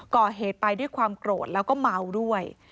ก่อเหตุไปด้วยความโกรธแล้วก็เมาด้วย